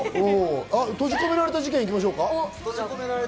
閉じ込められた事件いきましょうか。